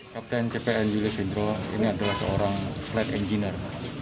kapten j p julius hendro ini adalah seorang flight engineer